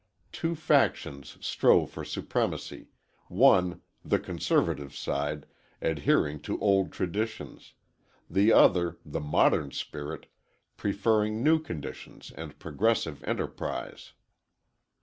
Two factions strove for supremacy, one, the conservative side, adhering to old traditions, the other, the modern spirit, preferring new conditions and progressive enterprise.